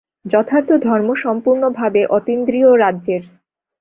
যথার্থ ধর্ম সম্পূর্ণভাবে অতীন্দ্রিয় রাজ্যের।